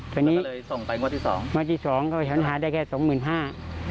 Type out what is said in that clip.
ตอนนี้ส่งไปงวดที่สองงวดที่สองเขาหาได้แค่สองหมื่นห้า